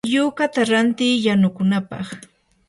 yukata ranti yanukunapaq.